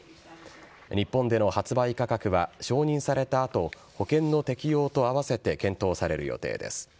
日本での発売価格は、承認されたあと、保険の適用と合わせて検討される予定です。